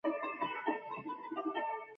د فلزونو اکسایدونه له اوبو سره تعامل کوي.